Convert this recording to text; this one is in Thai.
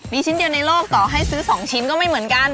มีชิ้นเดียวในโลกต่อให้ซื้อ๒ชิ้นก็ไม่เหมือนกัน